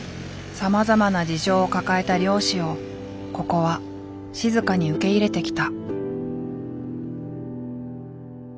さまざまな事情を抱えた漁師をここは静かに受け入れてきた。